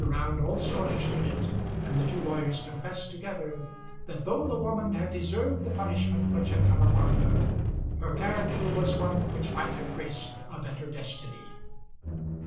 Round also understood it, and the two lawyers confessed together, that though the woman had deserved the punishment which had come upon her, her character was one which might have graced a better destiny.